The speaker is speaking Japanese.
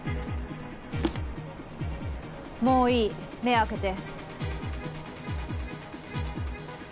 もういい目開けて。